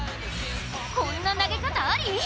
こんな投げ方あり？